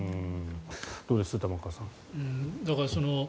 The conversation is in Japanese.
どうです、玉川さん。